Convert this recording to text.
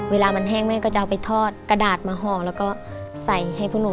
เวลามันแห้งแม่ก็จะเอาไปทอดกระดาษมาห่อแล้วก็ใส่ให้พวกหนู